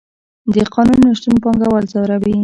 د قانون نشتون پانګوال ځوروي.